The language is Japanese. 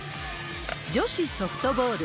女子ソフトボール。